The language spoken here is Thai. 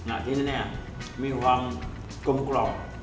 อาทิตย์แน่มีความกลมกล่อง